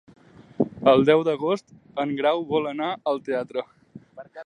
El deu d'agost en Grau vol anar al teatre.